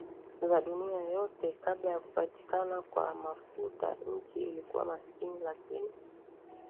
za dunia yote Kabla ya kupatikana kwa mafuta nchi ilikuwa maskini lakini